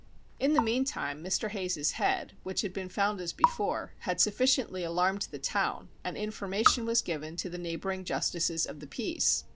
In the meantime Mr. Hayes's head, which had been found as before, had sufficiently alarmed the town, and information was given to the neighbouring justices of the peace.